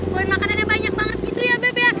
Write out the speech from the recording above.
buat makanannya banyak banget gitu ya beb ya